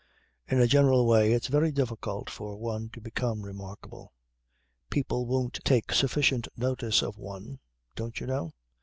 "In a general way it's very difficult for one to become remarkable. People won't take sufficient notice of one, don't you know.